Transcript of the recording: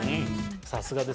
さすがですね。